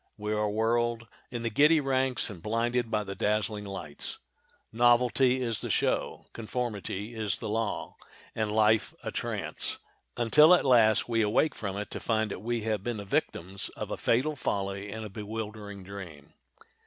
We are whirled in the giddy ranks and blinded by the dazzling lights. Novelty is the show, conformity is the law—and life a trance, until at last we awake from it to find that we have been the victims of a fatal folly and a bewildering dream.